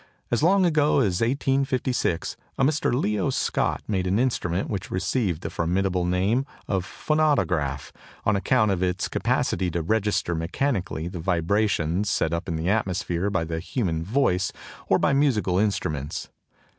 As long ago as 1856 a Mr. Leo Scott made an instrument which received the formidable name of Phonautograph, on account of its capacity to register mechanically the vibrations set up in the atmosphere by the human voice or by musical instruments.